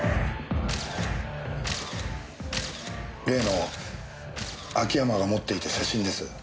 例の秋山が持っていた写真です。